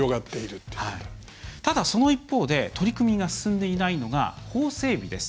ただ、その一方で取り組みが進んでいないのが法整備です。